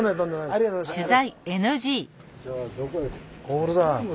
ありがとうございます。